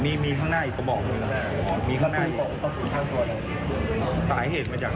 อ๋อมีข้างหน้าอีกก็บอก